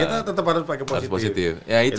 kita tetap harus pakai positif